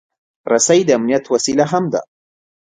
رسۍ د امنیت وسیله هم ده.